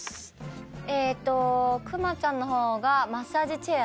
えっとクマちゃんのほうがマッサージチェア。